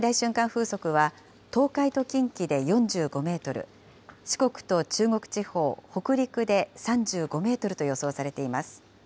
風速は、東海と近畿で４５メートル、四国と中国地方、北陸で３５メートルと予想されています。